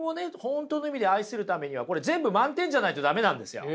本当の意味で愛するためにはこれ全部満点じゃないと駄目なんですよ。